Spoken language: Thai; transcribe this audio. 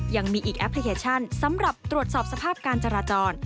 ยังมีอีกแอปพลิเคชันสำหรับตรวจสอบสภาพการจราจร